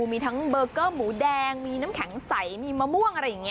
มีทั้งเบอร์เกอร์หมูแดงมีน้ำแข็งใสมีมะม่วงอะไรอย่างนี้